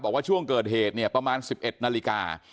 บอกว่าช่วงเกิดเหตุเนี่ยประมาณ๑๑นาฬิกา